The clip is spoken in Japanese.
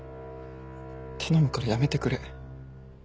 頼むからやめてくれ。